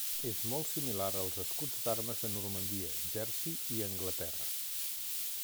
És molt similar als escuts d'armes de Normandia, Jersey i Anglaterra.